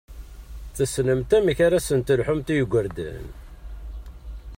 Tessnemt amek ad sen-telḥumt i yigurdan!